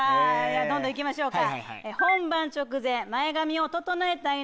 どんどん行きましょうか。